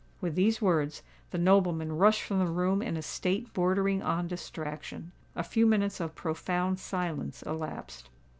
With these words, the nobleman rushed from the room in a state bordering on distraction. A few minutes of profound silence elapsed.